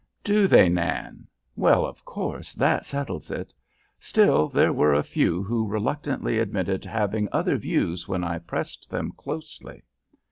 "Do they, Nan? Well, of course, that settles it. Still, there were a few who reluctantly admitted having other views when I pressed them closely."